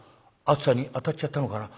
暑さにあたっちゃったのかな。